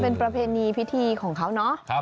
เป็นประเพณีพิธีของเขาเนาะ